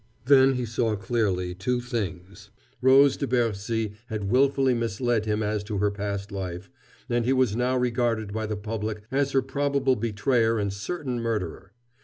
Then he saw clearly two things Rose de Bercy had willfully misled him as to her past life, and he was now regarded by the public as her probable betrayer and certain murderer.